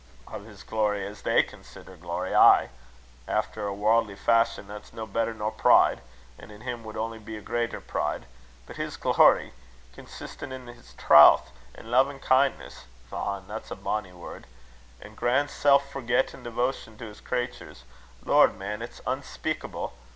"O' his glory, as they consider glory ay; efter a warldly fashion that's no better nor pride, an' in him would only be a greater pride. But his glory! consistin' in his trowth an' lovin'kindness (man! that's a bonny word) an' grand self forgettin' devotion to his creaters lord! man, it's unspeakable.